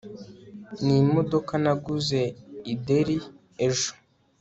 ni imodoka naguze i derry ejo